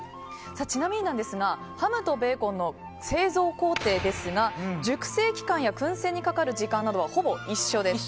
ちなみにハムとベーコンの製造工程ですが熟成期間や薫製に関わる時間などはほぼ一緒です。